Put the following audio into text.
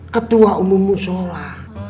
ketua umum musyola